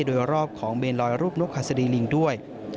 โดยรอบของเมนลอยรูปนกหัสดีลิงด้วย